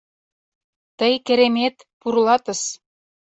Тый, керемет, пурлатыс!